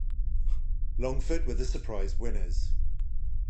Longford were the surprise winners.